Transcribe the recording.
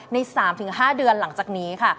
ใน๓๕เดือนหลังจากนี้ค่ะ